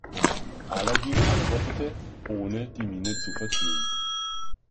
Aladin antwortete, ohne die Miene zu verziehen.